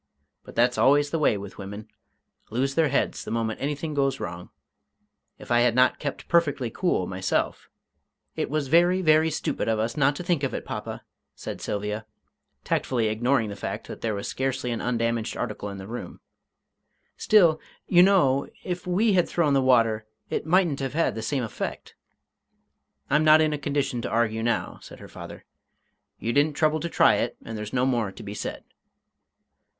But that's always the way with women lose their heads the moment anything goes wrong! If I had not kept perfectly cool myself " "It was very, very stupid of us not to think of it, papa," said Sylvia, tactfully ignoring the fact that there was scarcely an undamaged article in the room; "still, you know, if we had thrown the water it mightn't have had the same effect." "I'm not in a condition to argue now," said her father; "you didn't trouble to try it, and there's no more to be said."